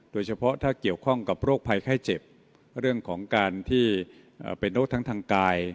โดยเฉพาะถ้าเกี่ยวข้องกับโรคภัยไข้เจ็บเรื่องของการที่เป็นโรคทั้งทางกาย